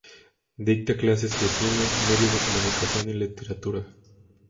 Dicta clases de cine, medios de comunicación y literatura.